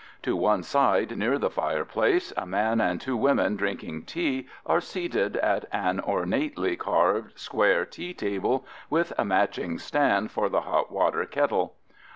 To one side near the fireplace a man and two women drinking tea are seated at an ornately carved, square tea table with a matching stand for the hot water kettle.